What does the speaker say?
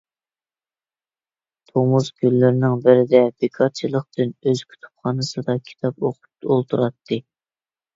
تومۇز كۈنلىرىنىڭ بىرىدە، بىكارچىلىقتىن ئۆز كۇتۇپخانىسىدا كىتاب ئوقۇپ ئولتۇراتتى.